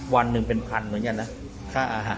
วันหนึ่งเป็นพันเหมือนกันนะค่าอาหาร